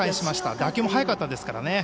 打球も速かったですからね。